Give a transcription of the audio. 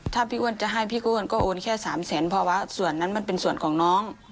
ถ้าพี่อ้วนจะให้พี่อ้วนก็โอนแค่๓แสนภาวะส่วนนั้นมันเป็นส่วนของน้อง